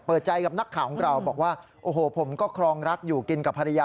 เปิดใจกับนักข่าวของเราบอกว่าโอ้โหผมก็ครองรักอยู่กินกับภรรยา